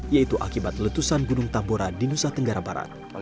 yaitu akibat letusan gunung tambora di nusa tenggara barat